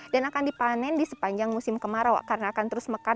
dan akan dipanen di sepanjang musim kemarau karena akan terus mekar